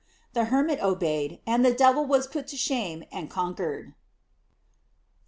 The hermit obeyed, and the devil was put to shame and con quered, f 4.